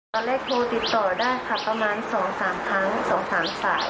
ตอนแรกโทรติดต่อได้ค่ะประมาณ๒๓ครั้ง๒๓สาย